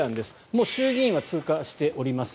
もう衆議院は通過しております。